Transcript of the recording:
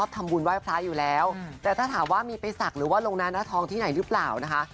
แต่ถ้าถามว่ามีไปศักดิ์หรือว่าโรงนานาทองที่ไหนหรือเปล่านะคะ